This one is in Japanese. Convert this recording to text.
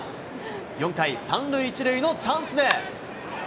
４回、３塁１塁のチャンスで。